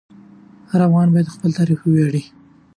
هر افغان باید په خپل تاریخ وویاړي.